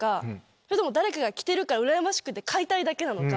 それとも誰かが着てるからうらやましくて買いたいだけか。